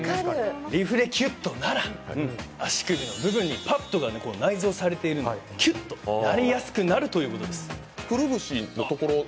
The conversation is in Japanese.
リフレキュットなら足首の部分にパッドが内蔵されているのでキュッとなりやすくなるということです。